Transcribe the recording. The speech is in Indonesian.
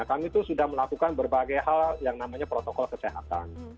kami itu sudah melakukan berbagai hal yang namanya protokol kesehatan